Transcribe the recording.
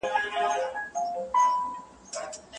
که ما اجازه لرلی وای نو نن به مې خپل نوم درلود.